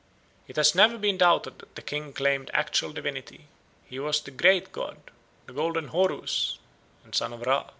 "It has never been doubted that the king claimed actual divinity; he was the 'great god,' the'golden Horus,' and son of Ra.